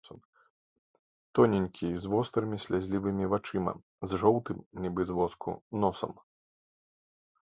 Тоненькі з вострымі слязлівымі вачыма, з жоўтым, нібы з воску, носам.